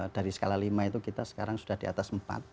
dari skala lima itu kita sekarang sudah di atas empat